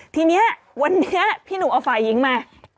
ทีนี้วันนี้พี่หนุ่มเอาฝ่ายหญิงมา